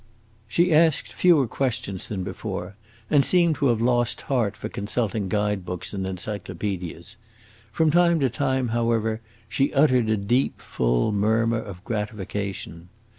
She asked fewer questions than before, and seemed to have lost heart for consulting guide books and encyclopaedias. From time to time, however, she uttered a deep, full murmur of gratification.